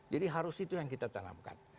jadi harus itu yang kita tanamkan